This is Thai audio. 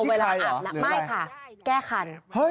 ไม่ค่ะแก้คัน